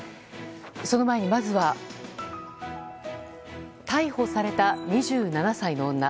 その前にまずは逮捕された２７歳の女。